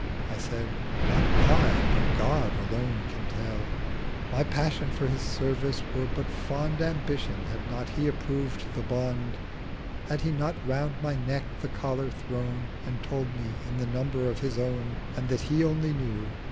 770 I said "Not I but God alone can tell: My Passion for his service were but fond Ambition had not He approved the Bond: Had He not round my neck the Collar thrown And told me in the Number of his own; And that He only knew.